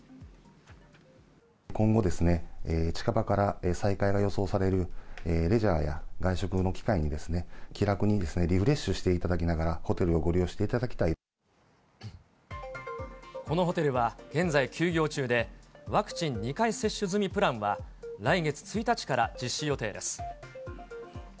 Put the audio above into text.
今後、近場から再開が予想されるレジャーや外食の機会に、気楽にリフレッシュしていただきながら、ホテルをご利用していたこのホテルは現在休業中で、ワクチン２回接種済みプランは、来月１日から実施予定です。